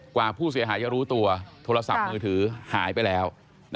กว่าผู้เสียหายจะรู้ตัวโทรศัพท์มือถือหายไปแล้ว